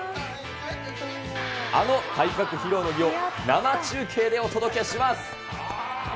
あの体格披露の儀を生中継でお届けします。